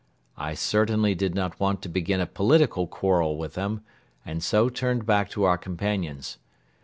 I certainly did not want to begin a political quarrel with them and so turned back to our companions.